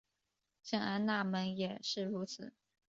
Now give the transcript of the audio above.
圣安娜门也是如此。